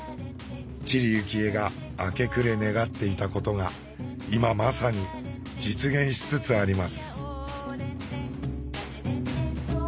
知里幸恵が明け暮れ願っていたことが今まさに実現しつつあります。